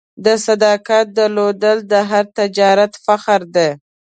د صداقت درلودل د هر تجارت فخر دی.